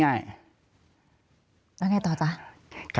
แล้วอย่างไรต่อจ๊ะ